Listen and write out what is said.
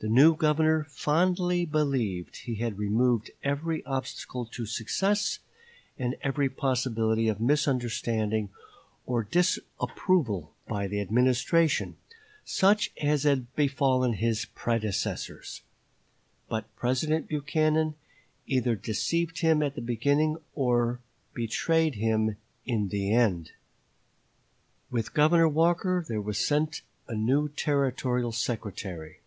The new Governor fondly believed he had removed every obstacle to success, and every possibility of misunderstanding or disapproval by the Administration, such as had befallen his predecessors. But President Buchanan either deceived him at the beginning, or betrayed him in the end. Walker, Testimony, Covode Committee Report, p. 109. With Governor Walker there was sent a new Territorial secretary.